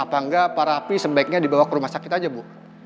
apanggak pak raffi sebaiknya dibawa ke rumah sakit aja bu